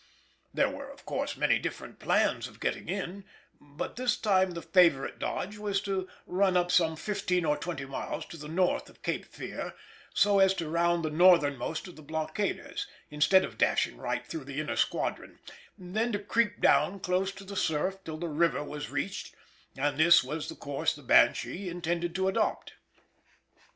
There were of course many different plans of getting in, but at this time the favourite dodge was to run up some fifteen or twenty miles to the north of Cape Fear, so as to round the northernmost of the blockaders, instead of dashing right through the inner squadron; then to creep down close to the surf till the river was reached: and this was the course the Banshee intended to adopt.